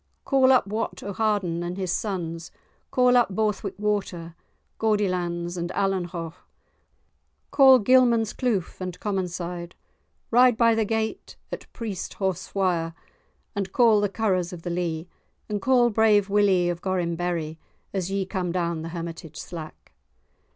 Call up Wat o'Harden and his sons, call up Borthwick Water, Gaudilands and Allanhaugh, call Gilmanscleugh and Commonside; ride by the gate at Priesthaughswire and call the Currors of the Lee, and call brave Willie of Gorrinberry as ye come down the Hermitage slack."